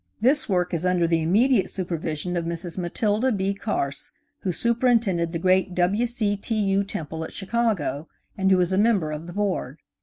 This work is under the immediate supervision of Mrs. Matilda B. Carse, who superintended the great W. C. T. U. Temple at Chicago, and who is a member of the Board.